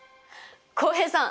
浩平さん！